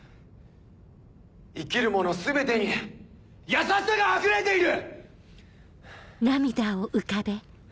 生きるもの全てに優しさがあふれている！